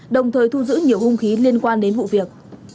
đồng thời thu giữ nhiều hung khí liên quan đến vụ việc